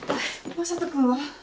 雅人君は？